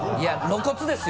露骨です。